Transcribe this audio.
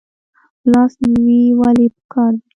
لاس نیوی ولې پکار دی؟